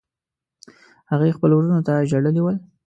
هغې خپلو وروڼو ته ژړلي ول.